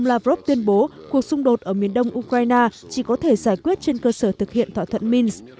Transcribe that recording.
lavrov tuyên bố cuộc xung đột ở miền đông ukraine chỉ có thể giải quyết trên cơ sở thực hiện thỏa thuận minsk